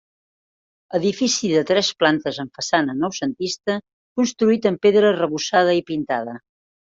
Edifici de tres plantes amb façana noucentista, construït amb pedra arrebossada i pintada.